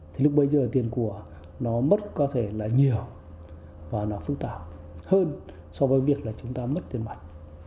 thì lúc bấy giờ tiền của nó mất có thể là nhiều và nó phức tạp hơn so với việc là chúng ta mất tiền mạnh